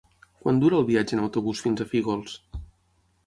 Quant dura el viatge en autobús fins a Fígols?